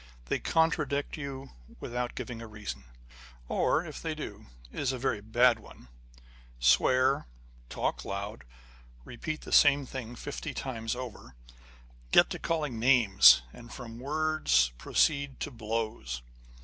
They contradict you without giving a reason, or if they do, it is a very bad one â€" swear, talk loud, repeat the same thing fifty times over, get to calling names, and from words proceed to blows.